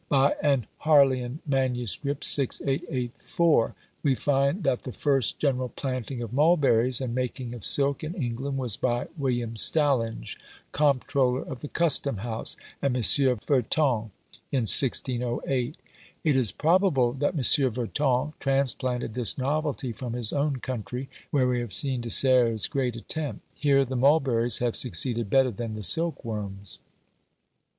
By an Harleian MS. 6884, we find that the first general planting of mulberries and making of silk in England was by William Stallenge, comptroller of the custom house, and Monsieur Verton, in 1608. It is probable that Monsieur Verton transplanted this novelty from his own country, where we have seen De Serres' great attempt. Here the mulberries have succeeded better than the silk worms.